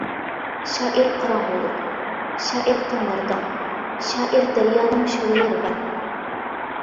شائىر قاراڭغۇلۇق، شائىر تاڭلاردا، شائىر دەريانىڭ شولىلىرى بار.